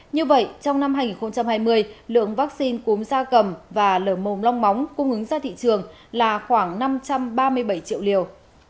như vậy trong năm hai nghìn hai mươi lượng vaccine cúm da cầm và lở mồm long móng cung ứng ra thị trường là khoảng năm trăm ba mươi bảy triệu liều